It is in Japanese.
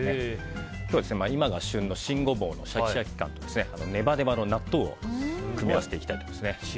今日は今が旬の新ゴボウのシャキシャキ感とネバネバの納豆を組み合わせていきたいと思います。